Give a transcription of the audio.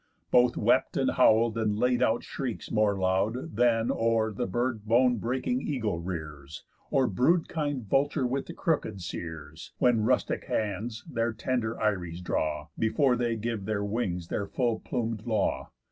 Both wept and howl'd, and laid out shrieks more loud Than or the bird bone breaking eagle rears, Or brood kind vulture with the crooked seres, When rustic hands their tender eyries draw, Before they give their wings their full plum'd law.